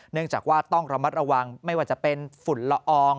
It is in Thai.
เนื่องจากว่าต้องระมัดระวังไม่ว่าจะเป็นฝุ่นละออง